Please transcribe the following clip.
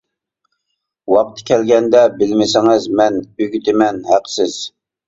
ۋاقتى كەلگەندە بىلمىسىڭىز مەن ئۆگىتىمەن ھەقسىز.